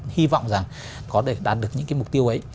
hy vọng rằng có thể đạt được những mục tiêu ấy